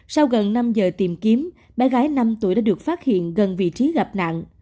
sau gần năm giờ tìm kiếm bé gái năm tuổi đã được phát hiện gần vị trí gặp nạn